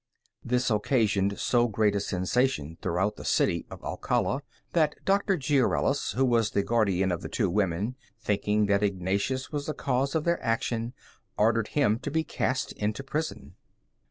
This occasioned so great a sensation throughout the city of Alcala that Dr. Giruellus, who was the guardian of the two women, thinking that Ignatius was the cause of their action, ordered him to be cast into prison.